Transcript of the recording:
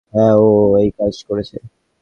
হ্যাঁ, ও এইকাজ করেছে।